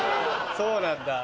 そうなんだ。